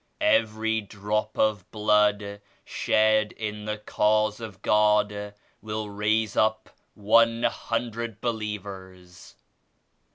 "Every drop of blood shed in the Cause of God will raise up one hundred believers."